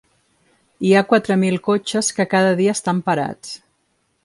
Hi ha quatre mil cotxes que cada dia estan parats.